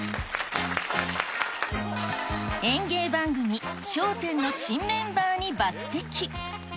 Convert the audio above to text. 演芸番組、笑点の新メンバーに抜てき。